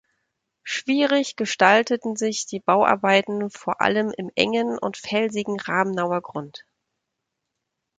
Schwierig gestalteten sich die Bauarbeiten vor allem im engen und felsigen Rabenauer Grund.